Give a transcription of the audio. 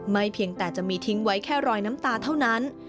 เพียงแต่จะมีทิ้งไว้แค่รอยน้ำตาเท่านั้น